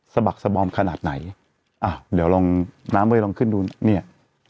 บักสบอมขนาดไหนอ่ะเดี๋ยวลองน้ำเฮ้ยลองขึ้นดูเนี่ย